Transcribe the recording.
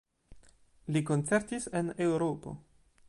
Li koncertis en Eŭropo.